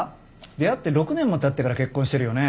出会って６年もたってから結婚してるよね？